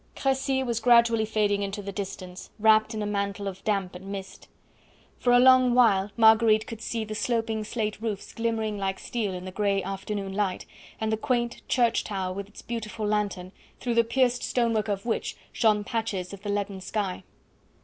Crecy was gradually fading into the distance, wrapped in a mantle of damp and mist. For a long while Marguerite could see the sloping slate roofs glimmering like steel in the grey afternoon light, and the quaint church tower with its beautiful lantern, through the pierced stonework of which shone patches of the leaden sky.